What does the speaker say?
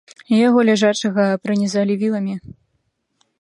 Яго ляжачага пранізалі віламі.